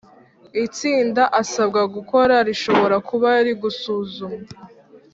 itsinda asabwa gukora rishobora kuba rigusuzuma